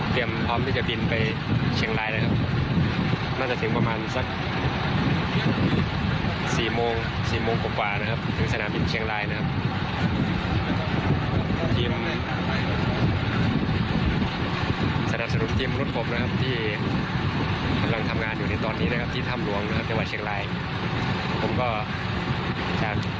ผมก็จากทีมงานสนามบินสุวรรณภูมินะครับ